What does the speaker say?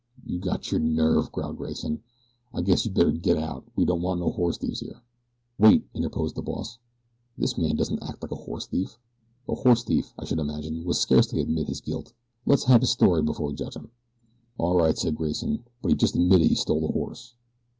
"You got your nerve," growled Grayson. "I guess you better git out. We don't want no horse thieves here." "Wait," interposed the boss. "This man doesn't act like a horse thief. A horse thief, I should imagine, would scarcely admit his guilt. Let's have his story before we judge him." "All right," said Grayson; "but he's just admitted he stole the horse."